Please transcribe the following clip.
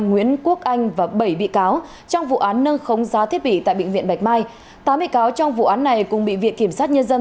nguyễn quốc anh và bảy bị cáo trong vụ án nâng khống giá thiết bị tại bệnh viện bạch mai tám bị cáo trong vụ án này cũng bị viện kiểm sát nhân dân